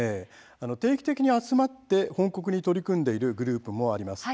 定期的に集まって翻刻に取り組んでいるグループもあります。